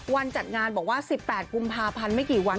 จัดงานบอกว่า๑๘กุมภาพันธ์ไม่กี่วัน